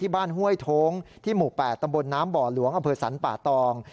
บ้านห้วยโท้งที่หมู่๘ตำบลน้ำบ่อหลวงอำเภอสรรป่าตอง